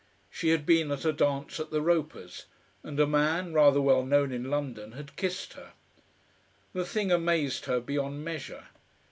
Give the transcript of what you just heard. She had been at a dance at the Ropers', and a man, rather well known in London, had kissed her. The thing amazed her beyond measure.